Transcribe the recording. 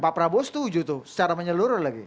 pak prabowo setuju tuh secara menyeluruh lagi